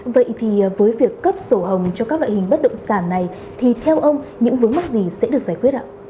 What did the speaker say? vậy thì với việc cấp sổ hồng cho các loại hình bất động sản này thì theo ông những vướng mắc gì sẽ được giải quyết ạ